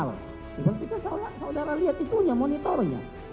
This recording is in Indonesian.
tidak bisa saudara lihat itunya monitornya